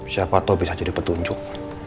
siapa tau bisa jadi petunjuk